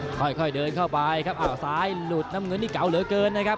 ค่อยเดินเข้าไปครับอ้าวซ้ายหลุดน้ำเงินนี่เก่าเหลือเกินนะครับ